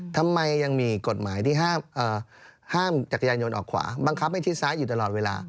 ทำไมยังมีกฎหมายที่ห้ามจักรยานยนต์ออกขวาบังคับให้ชิดซ้ายอยู่ตลอดเวลา